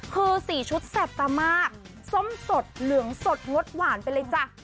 คือสีชุดแสบตามากส้มสดเหลืองสดงดหวานไปเลยจ้ะ